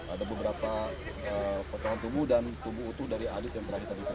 ada beberapa potongan tubuh dan tubuh utuh dari adit yang terakhir tadi